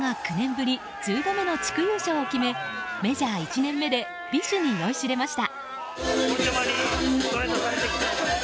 ぶり１０度目の地区優勝を決めメジャー１年目で美酒に酔いしれました。